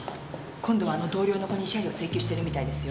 今度はあの同僚の子に慰謝料請求してるみたいですよ。